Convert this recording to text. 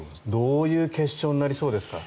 どういう決勝になりそうですか？